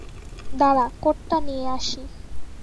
দাঁড়া কোট টা নিয়ে আসি।